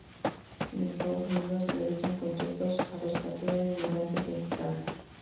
En Estados Unidos se realizan conciertos a los que acuden inmigrantes mexicanos.